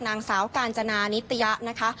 นางสาวกาญจนานิตยะนะคะ